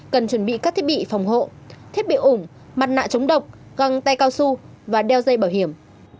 cần chuẩn bị các thiết bị phòng hộ thiết bị ủng mặt nạ chống độc găng tay cao su và đeo dây bảo hiểm